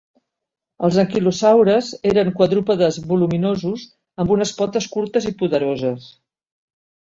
Els anquilosaures eren quadrúpedes voluminosos, amb unes potes curtes i poderoses.